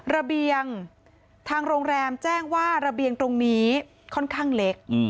ระเบียงทางโรงแรมแจ้งว่าระเบียงตรงนี้ค่อนข้างเล็ก